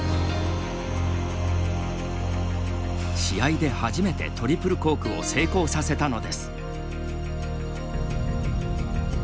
試合で初めてトリプルコークを成功させたのです。